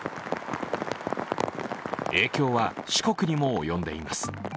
影響は四国にも及んでいます。